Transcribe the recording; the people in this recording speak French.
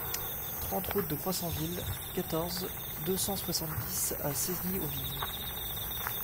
trente route de Croissanville, quatorze, deux cent soixante-dix à Cesny-aux-Vignes